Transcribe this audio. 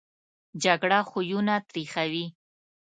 جګړه خویونه تریخوي